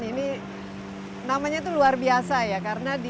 ini namanya itu luar biasa ya karena di